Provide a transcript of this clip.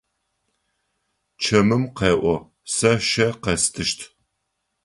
Чэмым къеӏо: Сэ щэ къэстыщт.